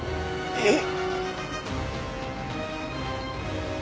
えっ！？